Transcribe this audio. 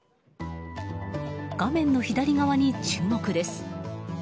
画面の左側に注目です。